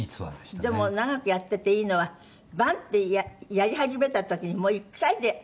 黒柳：でも長くやってていいのはバンッてやり始めた時にもう１回で合っちゃうんだって？